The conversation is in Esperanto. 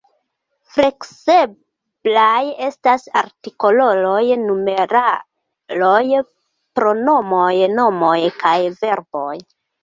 Flekseblaj estas artikoloj, numeraloj, pronomoj, nomoj kaj verboj.